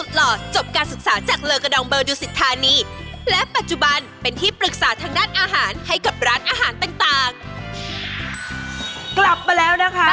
กลับมาแล้วนะคะกลับมาอยู่กับเมนูง่ายในช่วงสุดท้ายของเชฟกระทะหล่อของเรากับเมนูปูอัดคั่วกรอบสมุนไพรค่ะ